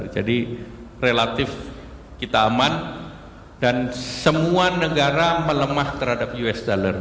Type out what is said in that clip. jadi relatif kita aman dan semua negara melemah terhadap usd